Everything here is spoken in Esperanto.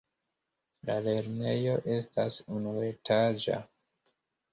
La lernejo estas unuetaĝa.